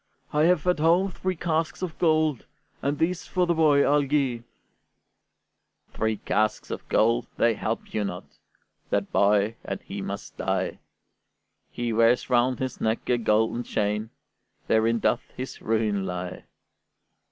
I have at home three casks of gold, And these for the boy I'll gi'e." "Three casks of gold, they help you not: That boy, and he must die! He wears round his neck a golden chain; Therein doth his ruin lie."